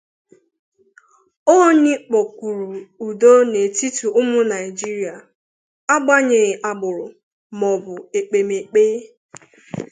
Ooni kpọkuru udo n'etiti ụmụ Naijiria agbanyeghị agbụrụ ma ọ bụ ekpemekpe